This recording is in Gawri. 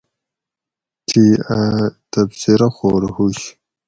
تھی ا تبصرہ خور ہُوش